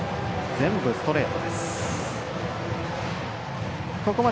全部ストレート！